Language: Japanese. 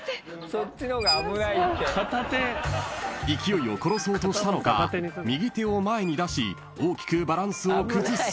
［勢いを殺そうとしたのか右手を前に出し大きくバランスを崩す］